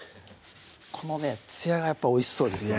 このねつやがおいしそうですよね